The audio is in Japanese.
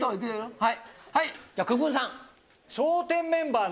はい！